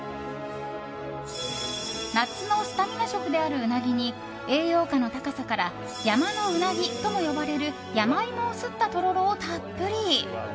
夏のスタミナ食であるウナギに栄養価の高さから山のウナギとも呼ばれる山芋をすった、とろろをたっぷり。